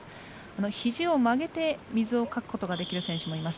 ひじを曲げて水をかくことができる選手もいます。